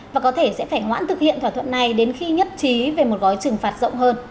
và có thể sẽ phải hoãn thực hiện thỏa thuận này đến khi nhất trí về một gói trừng phạt rộng hơn